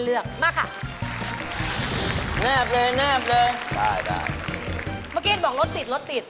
เมื่อกี้บอกรถติด